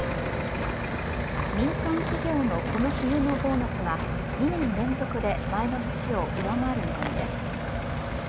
民間企業のこの冬のボーナスが２年連続で前の年を上回る見込みです。